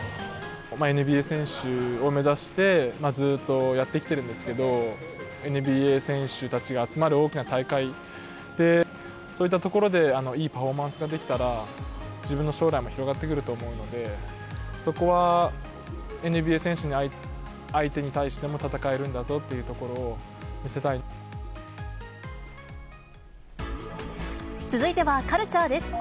ＮＢＡ選手を目指して、ずっとやってきてるんですけど、ＮＢＡ選手たちが集まる大きな大会で、そういったところで、いいパフォーマンスができたら、自分の将来も広がってくると思うので、そこはＮＢＡ選手相手に対しても、戦えるんだぞというところを見せ続いてはカルチャーです。